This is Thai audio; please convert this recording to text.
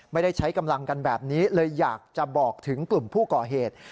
ไม่ได้ใช้กำลังกันแบบนี้เลยอยากจะบอกถึงกลุ่มผู้ก่อเหตุ